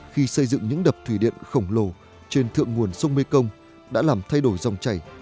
khi xây dựng những đập thủy điện khổng lồ trên thượng nguồn sông mê công đã làm thay đổi dòng chảy